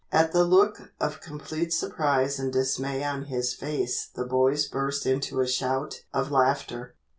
At the look of complete surprise and dismay on his face the boys burst into a shout of laughter.